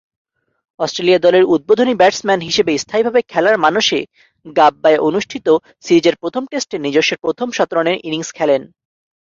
Australia দলের উদ্বোধনী batsman হিসেবে স্থায়ীভাবে খেলার মানসে গাব্বায় অনুষ্ঠিত সিরিজের প্রথম টেস্টে নিজস্ব প্রথম শতরানের ইনিংস খেলেন।